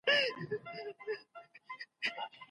خیانت کول لویه ګناه ده.